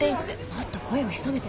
もっと声を潜めて。